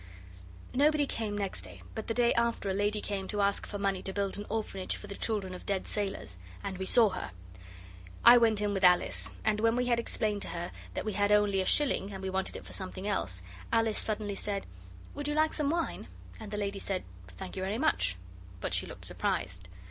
Nobody came next day, but the day after a lady came to ask for money to build an orphanage for the children of dead sailors. And we saw her. I went in with Alice. And when we had explained to her that we had only a shilling and we wanted it for something else, Alice suddenly said, 'Would you like some wine?' And the lady said, 'Thank you very much,' but she looked surprised.